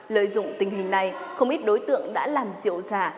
lợi dụng tình hình này không ít đối tượng đã làm rượu giả